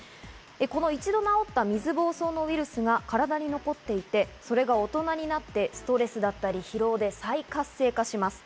この一度治った、水ぼうそうのウイルスが体に残っていて、これが大人になって、ストレスや疲労で再活性化します。